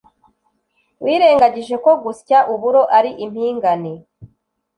wirengagije ko gusya uburo ari impingane